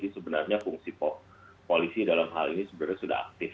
sebenarnya fungsi polisi dalam hal ini sebenarnya sudah aktif